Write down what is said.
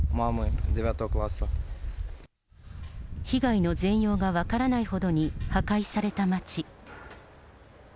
被害の全容が分からないほどに破壊された町。